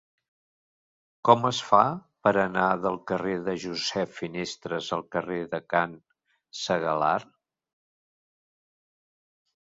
Com es fa per anar del carrer de Josep Finestres al carrer de Can Segalar?